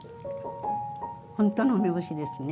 ほんとの梅干しですね。